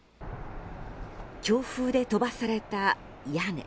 強風で飛ばされた屋根。